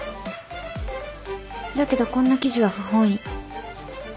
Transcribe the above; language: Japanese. だけどこんな記事は不本意。